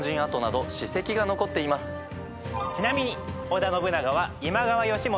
ちなみに。